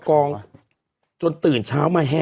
ขออีกทีอ่านอีกที